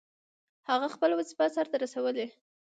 هغه خپله وظیفه سرته رسولې.